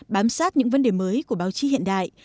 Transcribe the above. bám sát những vấn đề mới của báo chí hiện đại